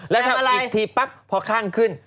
แล้วถ้าอีกทีปั๊บพอข้างขึ้น